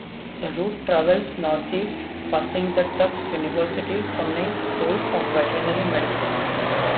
The route travels northeast, passing the Tufts University Cummings School of Veterinary Medicine.